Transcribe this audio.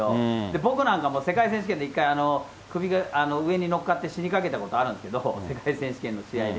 僕なんかも世界選手権で一回、首が上に乗っかって、死にかけたことあるんですけど、世界選手権の試合で。